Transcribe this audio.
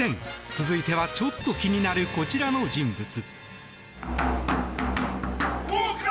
続いてはちょっと気になるこちらの人物。